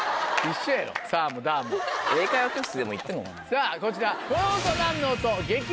さぁこちら。